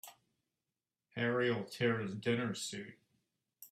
Harry'll tear his dinner suit.